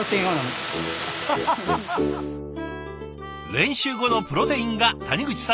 練習後のプロテインが谷口さんのソラメシ。